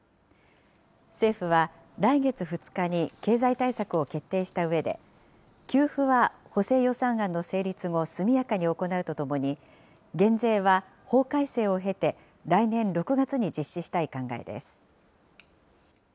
政府は来月２日に経済対策を決定したうえで、給付は補正予算案の成立後、速やかに行うとともに、減税は法改正を経て、来年６月に実施したい考えです。